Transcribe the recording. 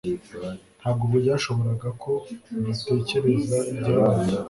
Ntabwo byashobokaga ko ntatekereza ibyabaye.